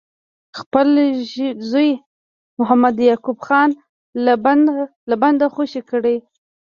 خپل زوی محمد یعقوب خان له بنده خوشي کړي.